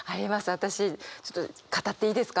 私ちょっと語っていいですか？